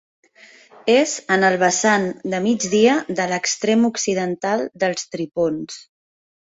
És en el vessant de migdia de l'extrem occidental dels Tripons.